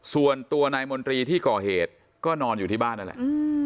ส่วนตัวนายมนตรีที่ก่อเหตุก็นอนอยู่ที่บ้านนั่นแหละ